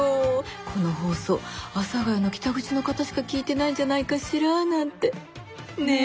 この放送阿佐ヶ谷の北口の方しか聴いてないんじゃないかしらなんて。ねぇ。